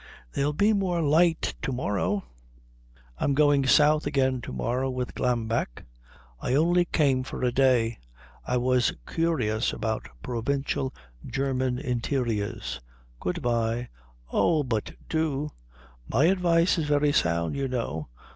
"There'll be more light to morrow " "I'm going south again to morrow with Glambeck. I only came for a day. I was curious about provincial German interiors. Good bye." "Oh, but do " "My advice is very sound, you know.